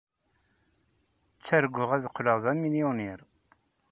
Ttarguɣ ad qqleɣ d amilyuniṛ.